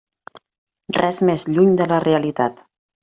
Res més lluny de la realitat.